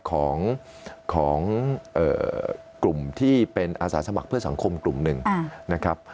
ของกลุ่มที่เป็นอาสาสมัครเพื่อสังคมกลุ่มหนึ่งนะครับ